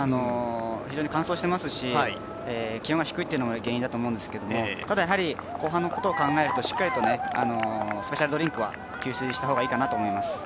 非常に乾燥してますし気温が低いというのが原因だと思うんですけれどもただやはり、後半のことを考えると、しっかりとスペシャルドリンクは給水した方がいいかなと思います。